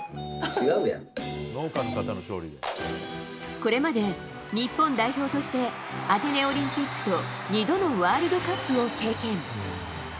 これまで日本代表としてアテネオリンピックと２度のワールドカップを経験。